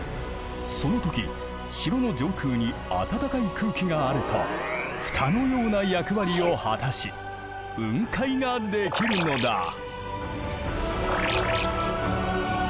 その時城の上空に暖かい空気があると蓋のような役割を果たし雲海ができるのだ。